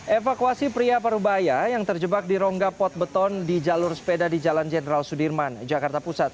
evakuasi pria parubaya yang terjebak di rongga pot beton di jalur sepeda di jalan jenderal sudirman jakarta pusat